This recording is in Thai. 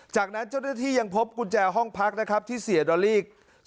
จากนั้นเจ้าหน้าที่ยังพบกุญแจห้องพักที่เซียดอลลี่เช่าไว้